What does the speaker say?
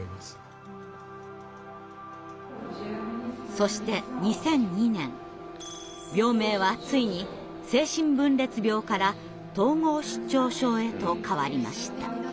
そして２００２年病名はついに精神分裂病から統合失調症へと変わりました。